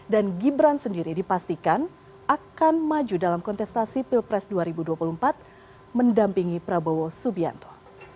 dan gibran sendiri dipastikan akan maju dalam kontestasi pilpres dua ribu dua puluh empat mendampingi prabowo subianto